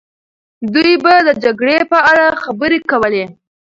دوی به د جګړې په اړه خبرې کولې.